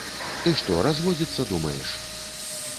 Ты што, разводзіцца думаеш?